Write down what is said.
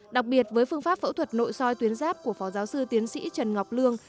đặc biệt với phương pháp phẫu thuật nội soi tuyến giáp của phó giáo sư tiến sĩ trần ngọc lương